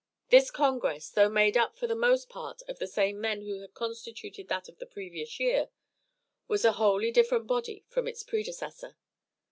This congress, though made up for the most part of the same men who constituted that of the previous year, was a wholly different body from its predecessor.